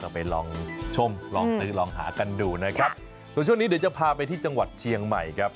ไปลองชมลองซื้อลองหากันดูนะครับส่วนช่วงนี้เดี๋ยวจะพาไปที่จังหวัดเชียงใหม่ครับ